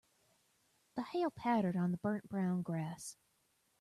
The hail pattered on the burnt brown grass.